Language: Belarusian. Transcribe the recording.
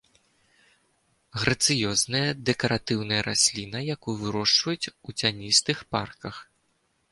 Грацыёзная дэкаратыўная расліна, якую вырошчваюць у цяністых парках.